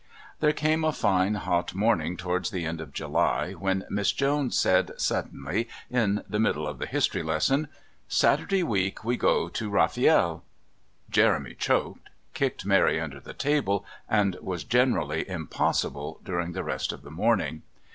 There came a fine hot morning towards the end of July when Miss Jones said, suddenly, in the middle of the history lesson: "Saturday week we go to Rafiel." Jeremy choked, kicked Mary under the table, and was generally impossible during the rest of the morning.